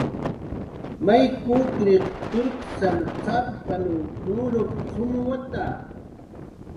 "May kukriq turkasn cx""ap""panw nurup"" qumwata."